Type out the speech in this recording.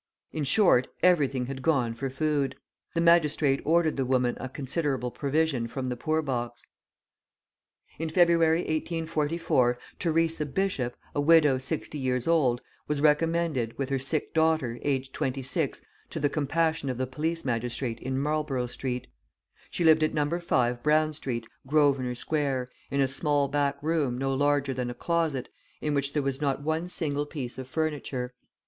In short, everything had gone for food. The magistrate ordered the woman a considerable provision from the poor box. In February, 1844, Theresa Bishop, a widow 60 years old, was recommended, with her sick daughter, aged 26, to the compassion of the police magistrate in Marlborough Street. She lived at No. 5 Brown Street, Grosvenor Square, in a small back room no larger than a closet, in which there was not one single piece of furniture.